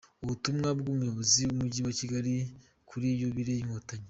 Ubutumwa bw’umuyobozi w’Umujyi wa Kigali kuri Yubile y’Inkotanyi